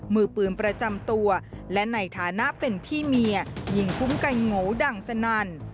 มือปืนประจำตัวและในฐานะเป็นพี่เมียยิงคุ้มกันโงดังสนั่น